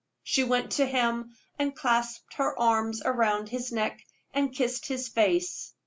She went to him and clasped her arms around his neck, and kissed his face.